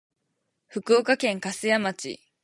福岡県粕屋町